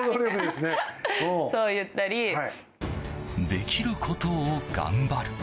できることを頑張る。